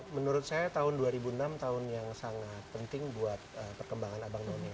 menurut saya tahun dua ribu enam tahun yang sangat penting buat perkembangan abang none